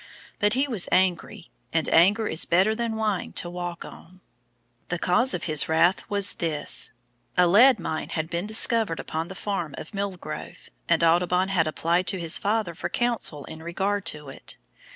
But he was angry, and anger is better than wine to walk on. The cause of his wrath was this; a lead mine had been discovered upon the farm of Mill Grove, and Audubon had applied to his father for counsel in regard to it.